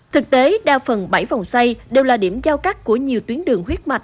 thực tế đa phần bảy vòng xoay đều là điểm giao cắt của nhiều tuyến đường huyết mạch